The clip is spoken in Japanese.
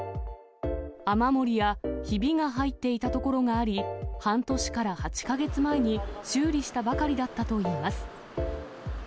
雨漏りやひびが入っていたところがあり、半年から８か月前に修理したばかりだったといいます。